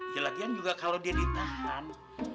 jelajah juga kalau dia ditahan